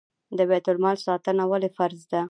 د بیت المال ساتنه ولې فرض ده؟